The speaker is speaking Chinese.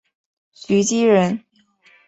徐积人。